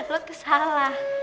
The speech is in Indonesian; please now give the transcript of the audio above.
lo tuh salah